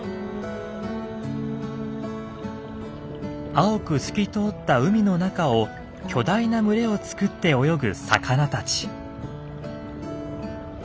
青く透き通った海の中を巨大な群れを作って泳ぐ魚たち。